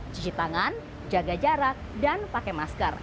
cuci tangan jaga jarak dan pakai masker